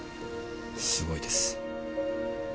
すごいです。